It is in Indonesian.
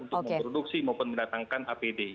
untuk memproduksi maupun mendatangkan apd